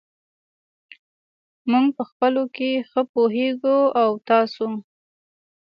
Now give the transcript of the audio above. موږ په خپلو کې ښه پوهېږو. او تاسو !؟